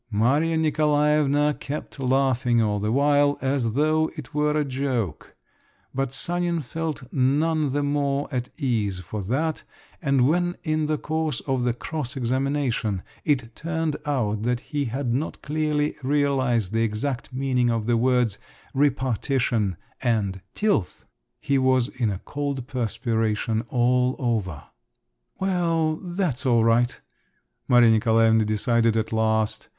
Maria Nikolaevna kept laughing all the while, as though it were a joke; but Sanin felt none the more at ease for that; and when in the course of the "cross examination" it turned out that he had not clearly realised the exact meaning of the words "repartition" and "tilth," he was in a cold perspiration all over. "Well, that's all right!" Maria Nikolaevna decided at last.